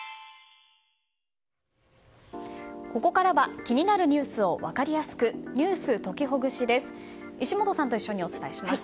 ここからは気になるニュースを分かりやすくｎｅｗｓときほぐしです。